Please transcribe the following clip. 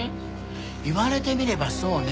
言われてみればそうね